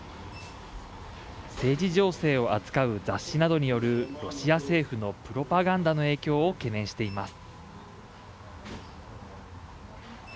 政治情勢を扱う雑誌などによるロシア政府のプロパガンダの影響を懸念しています。